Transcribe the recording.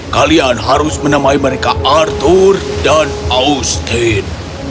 kalian harus menemai mereka arthur dan austin